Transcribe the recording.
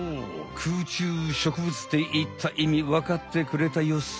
空中植物っていったいみわかってくれたようっす。